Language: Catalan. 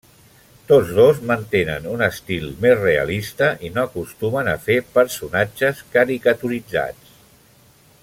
Tots dos mantenen un estil més realista i no acostumen a fer personatges caricaturitzats.